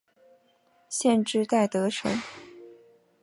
县治戴德城。